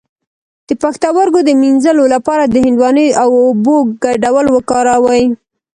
د پښتورګو د مینځلو لپاره د هندواڼې او اوبو ګډول وکاروئ